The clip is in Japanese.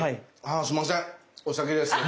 あすんませんお先です。